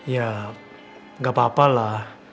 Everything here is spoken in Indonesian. ya nggak apa apa lah